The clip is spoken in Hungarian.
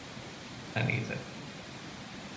Lenézett.